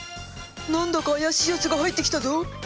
何だか怪しいヤツが入ってきたぞ！